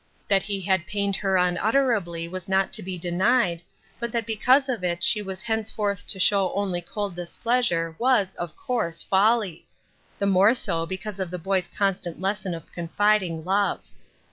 That he had pained her unutterably was not to be denied, but that because of it she was henceforth to show only cold displeasure, was, of course, folly ; the more so because of the boy's constant lesson of confiding love.